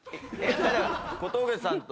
小峠さんと。